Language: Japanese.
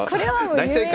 大正解。